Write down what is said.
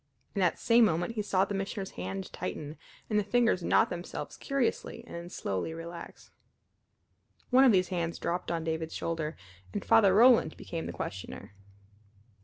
In that same moment he saw the Missioner's hand tighten, and the fingers knot themselves curiously and then slowly relax. One of these hands dropped on David's shoulder, and Father Roland became the questioner.